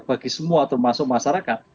bagi semua termasuk masyarakat